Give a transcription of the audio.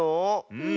うん。